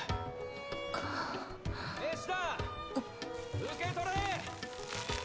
受け取れ！